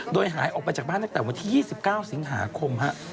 โดยหายออกไปจากบ้านตั้งแต่วันที่๒๙สิงหาคม